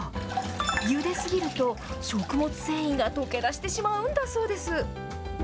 ゆで過ぎると、食物繊維が溶けだしてしまうんだそうです。